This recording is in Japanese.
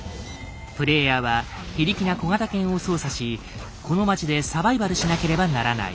プレイヤーは非力な小型犬を操作しこの街でサバイバルしなければならない。